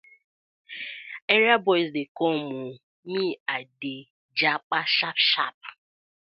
Area boys dey com ooo, me I dey jappa sharp sharp.